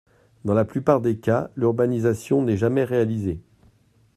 Dans la plupart des cas, l’urbanisation n’est jamais réalisée.